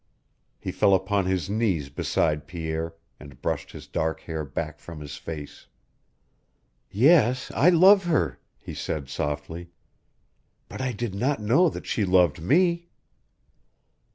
He fell upon his knees beside Pierre and brushed his dark hair back from his face. "Yes, I love her," he said, softly. "But I did not know that she loved me."